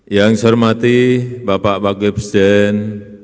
yang saya hormati bapak wakil presiden